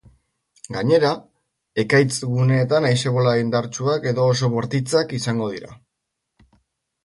Gainera, ekaitz guneetan haize-bolada indartsuak edo oso bortitzak izango dira.